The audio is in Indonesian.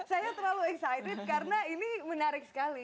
saya terlalu excited karena ini menarik sekali